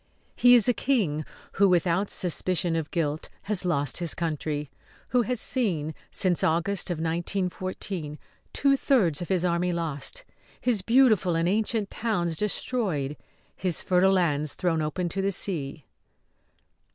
He is a King who, without suspicion of guilt, has lost his country; who has seen since August of 1914 two thirds of his army lost, his beautiful and ancient towns destroyed, his fertile lands thrown open to the sea.